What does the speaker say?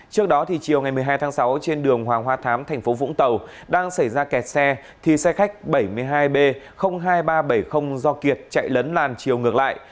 trước đó chiều ngày một mươi hai tháng sáu trên đường hoàng hoa thám thành phố vũng tàu đang xảy ra kẹt xe thì xe khách bảy mươi hai b hai nghìn ba trăm bảy mươi do kiệt chạy lấn làn chiều ngược lại